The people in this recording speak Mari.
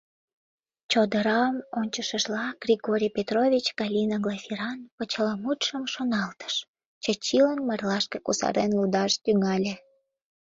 Чодырам ончышыжла, Григорий Петрович Галина Глафиран почеламутшым шоналтыш, Чачилан марлашке кусарен лудаш тӱҥале: